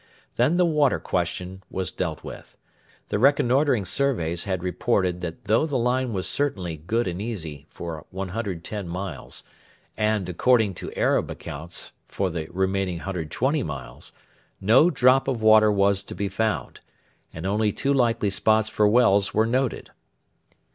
Then the water question was dealt with. The reconnoitring surveys had reported that though the line was certainly 'good and easy' for 110 miles and, according to Arab accounts, for the remaining 120 miles no drop of water was to be found, and only two likely spots for wells were noted.